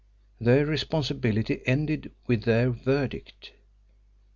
Their responsibility ended with their verdict.